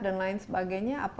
dan lain sebagainya apa